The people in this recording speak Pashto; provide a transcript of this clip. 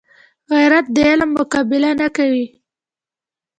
غیرت د علم مقابله نه کوي